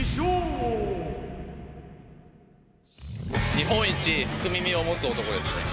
日本一福耳を持つ男ですね。